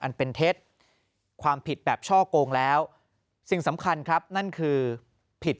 อันเป็นเท็จความผิดแบบช่อโกงแล้วสิ่งสำคัญครับนั่นคือผิด